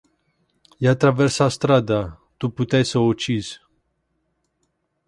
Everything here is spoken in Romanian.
Ea traversa strada, tu puteai sa o ucizi.